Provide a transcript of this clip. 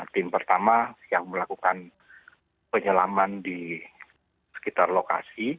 tim pertama yang melakukan penyelaman di sekitar lokasi